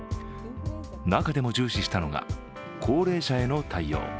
中でも重視したのが高齢者への対応。